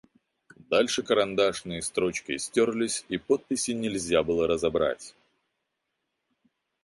Дальше карандашные строчки стерлись, и подписи нельзя было разобрать.